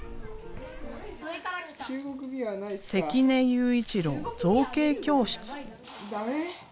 関根悠一郎造形教室。